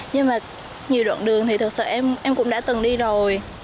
nhưng mà nhiều đoạn đường thì thực sự em cũng đã từng đi rồi